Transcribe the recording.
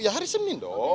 ya hari senin dong